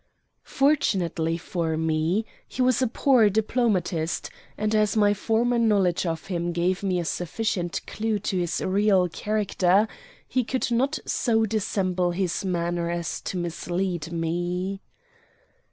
Fortunately for me he was a poor diplomatist, and as my former knowledge of him gave me a sufficient clew to his real character, he could not so dissemble his manner as to mislead me.